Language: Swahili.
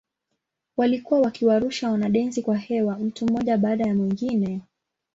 Walikuwa wakiwarusha wanadensi kwa hewa mtu mmoja baada ya mwingine.